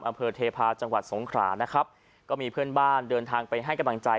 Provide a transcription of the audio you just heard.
อำเภอเทพาะจังหวัดสงขรานะครับก็มีเพื่อนบ้านเดินทางไปให้กำลังใจ